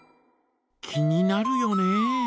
気になるよね。